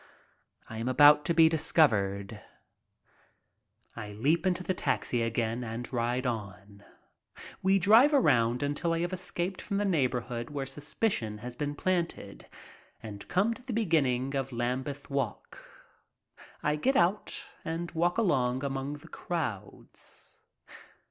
I am about to be discovered. I leap into the taxi again and ride on. We drive around until I have escaped from the neighborhood where suspicion has been planted and come to the beginning of Lambeth Walk. I get out and walk along among the crowds.